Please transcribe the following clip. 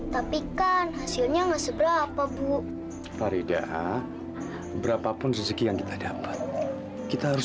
tapi kan hasilnya enggak seberapa bu faridah berapapun rezeki yang kita dapat kita harus